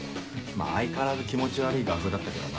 まぁ相変わらず気持ち悪ぃ画風だったけどな。